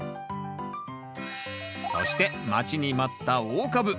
そして待ちに待った大株。